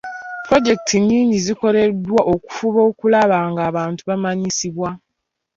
Pulojekiti nnyingi zikoleddwa okufuba okulaba ng'abantu bamanyisibwa.